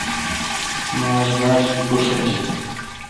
مہ آج باڑ بشیل جیت۔